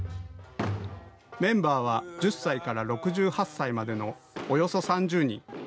メンバーは１０歳から６８歳までの、およそ３０人。